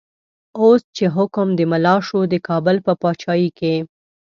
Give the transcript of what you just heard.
اوس چه حکم د ملا شو، دکابل په پاچایی کی